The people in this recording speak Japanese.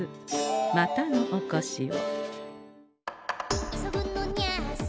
またのおこしを。